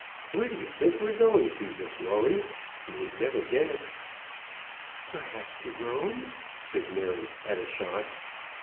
Where do you think we're going to, Miss Lawrie? You would never guess." "Perhaps to Rome," said Mary at a shot.